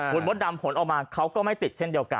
คุณมดดำผลออกมาเขาก็ไม่ติดเช่นเดียวกัน